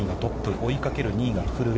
追いかける２位が古江。